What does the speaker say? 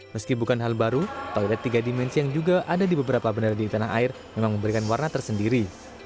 meski bukan hal baru toilet tiga dimensi yang juga ada di beberapa bandara di tanah air memang memberikan warna tersendiri